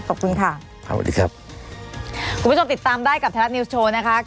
ขอบคุณค่ะค่ะสวัสดีครับคุณผู้ชมติดตามได้กับแทรฟนะคะ